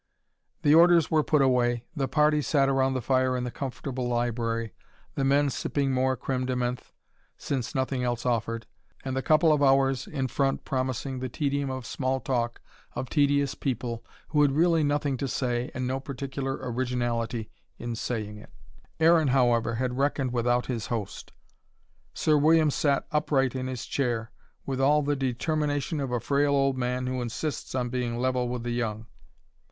The orders were put away, the party sat round the fire in the comfortable library, the men sipping more creme de menthe, since nothing else offered, and the couple of hours in front promising the tedium of small talk of tedious people who had really nothing to say and no particular originality in saying it. Aaron, however, had reckoned without his host. Sir William sat upright in his chair, with all the determination of a frail old man who insists on being level with the young.